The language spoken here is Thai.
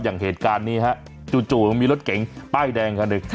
อย่างเหตุการณ์นี้ฮะจู่มีรถเก๋งป้ายแดงคันหนึ่ง